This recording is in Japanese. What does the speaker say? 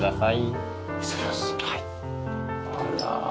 はい。